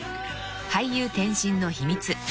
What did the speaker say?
［俳優転身の秘密］